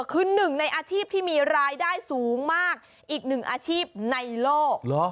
คือหนึ่งในอาชีพที่มีรายได้สูงมากอีกหนึ่งอาชีพในโลก